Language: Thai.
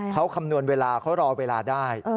เขาคำนวณเวลาเขารอเวลาได้